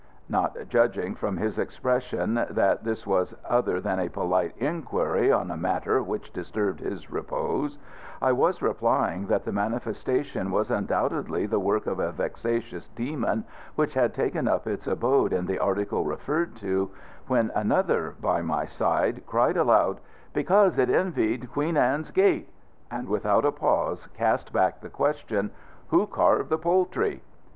Not judging from his expression that this was other than a polite inquiry on a matter which disturbed his repose, I was replying that the manifestation was undoubtedly the work of a vexatious demon which had taken up its abode in the article referred to, when another, by my side, cried aloud, "Because it envied Queen Anne's Gate"; and without a pause cast back the question, "Who carved The Poultry?"